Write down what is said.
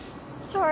そう？